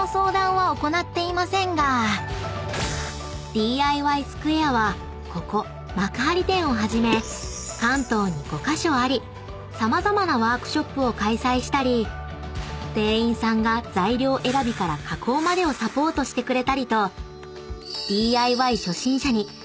［ＤＩＹスクエアはここ幕張店をはじめ関東に５カ所あり様々なワークショップを開催したり店員さんが材料選びから加工までをサポートしてくれたりと］